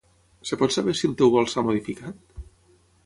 Es pot saber si el teu vol s'ha modificat?